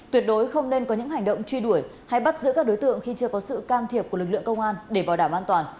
tuyệt đối không nên có những hành động truy đuổi hay bắt giữ các đối tượng khi chưa có sự can thiệp của lực lượng công an để bảo đảm an toàn